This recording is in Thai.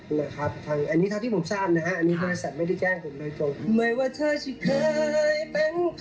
เหลือคาตัวทั้งอันนี้ที่ผมทราบนะฮะอันนี้โทรแซมไม่ได้แจ้งผมเลยจบ